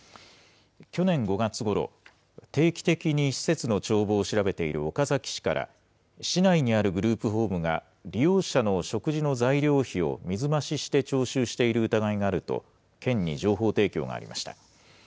去年５月ごろ、定期的に施設の帳簿を調べている岡崎市から、市内にあるグループホームが、利用者の食事の材料費を水増しして徴収している疑いがあると、県に情報提供がありました。